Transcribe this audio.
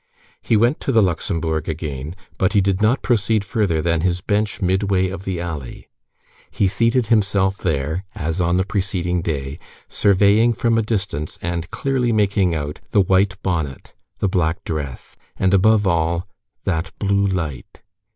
He went to the Luxembourg again, but he did not proceed further than his bench midway of the alley. He seated himself there, as on the preceding day, surveying from a distance, and clearly making out, the white bonnet, the black dress, and above all, that blue light.